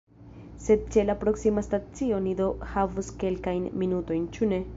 Sed ĉe la proksima stacio ni do havos kelkajn minutojn, ĉu ne?